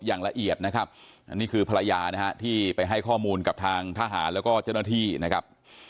อย่างละเอียดนะครับอันนี้คือภรรยานะฮะที่ไปให้ข้อมูลกับทางทหารแล้วก็เจ้าหน้าที่นะครับ